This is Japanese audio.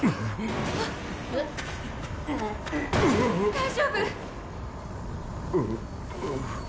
大丈夫！？